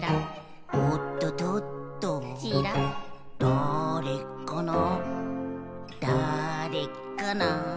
「だぁれかなだぁれかな」